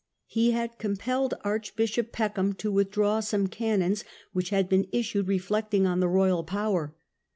He had compelled Archbishop Peckham to withdraw some canons which had been issued reflecting on the royal power.